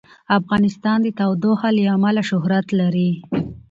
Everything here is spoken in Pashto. افغانستان د تودوخه له امله شهرت لري.